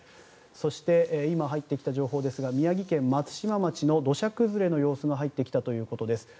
そして、今入ってきた情報ですが宮城県松島町の土砂崩れの様子が入ってきたということです。